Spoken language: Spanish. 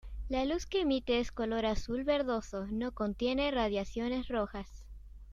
La luz que emite es color azul verdoso, no contiene radiaciones rojas.